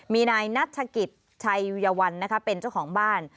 มีนายนัชกิจชัยวิยวัลเป็นเจ้าของบ้าน